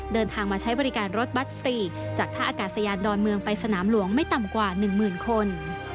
เดินทางมาใช้บริการรถบัตรฟรีจากท่าอากาศยานดอนเมืองไปสนามหลวงไม่ต่ำกว่า๑หมื่นคน